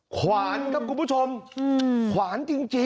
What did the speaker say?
ความมีทุกความ